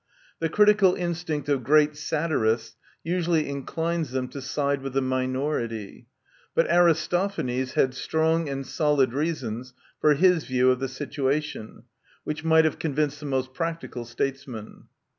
The critical instinct of great satirists usually inclines them to side with the minority ; but Aristophanes had strong and solid reasons for his view of the situation, which might have con vinced the most practical statesman.